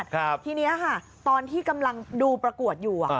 ทีนี้ค่ะตอนที่กำลังดูประกวดอยู่